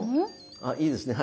あいいですね。